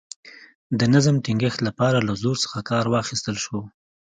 د نظم ټینګښت لپاره له زور څخه کار واخیستل شو.